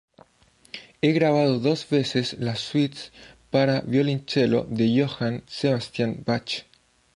Ha grabado dos veces las suites para violonchelo de Johann Sebastian Bach.